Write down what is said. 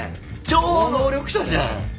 超能力者じゃん。